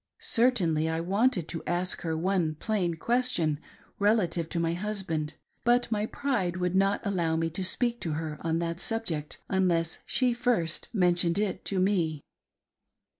Cer tainly, I wanted to ask her one plain question relative to my husband, but my pride would not allow me to speak to her on that subject unless she first mentioned it to me.